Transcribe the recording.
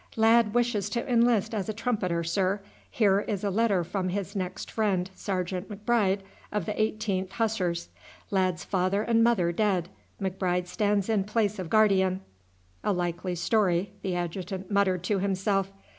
"Lad wishes to enlist as a trumpeter, sir. Here is a letter from his next friend, Sergeant M'Bride of the 18th Hussars. Lad's father and mother dead. M'Bride stands in place of guardian." "A likely story," the adjutant muttered to himself.